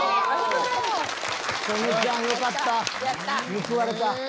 報われた。